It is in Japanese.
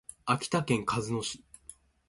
秋田県鹿角市